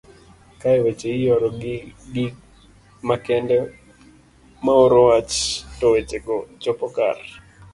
kae weche ioro gi gi makende maoro wach to weche go chopo kar